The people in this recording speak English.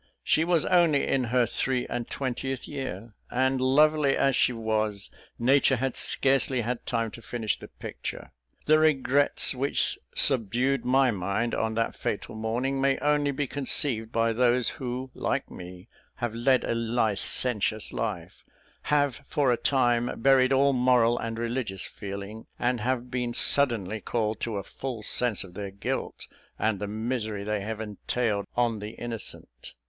She was only in her three and twentieth year and, lovely as she was, nature had scarcely had time to finish the picture. The regrets which subdued my mind on that fatal morning may only be conceived by those who, like me, have led a licentious life have, for a time, buried all moral and religious feeling, and have been suddenly called to a full sense of their guilt, and the misery they have entailed on the innocent.